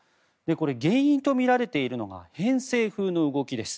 これ、原因とみられているのが偏西風の動きです。